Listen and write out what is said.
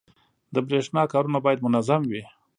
• د برېښنا کارونه باید منظم وي.